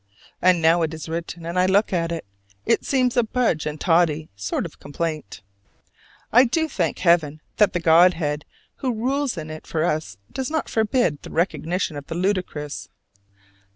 And now it is written and I look at it, it seems a Budge and Toddy sort of complaint. I do thank Heaven that the Godhead who rules in it for us does not forbid the recognition of the ludicrous!